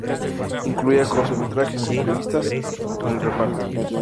Incluía cortometrajes y entrevistas con el reparto.